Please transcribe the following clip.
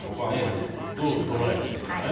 どう捉えているんですかね。